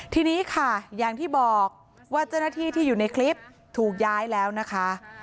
ทีนี้ค่ะอย่างที่บอกว่าเจ้าหน้าที่ที่อยู่ในคลิปถูกย้ายแล้วนะคะ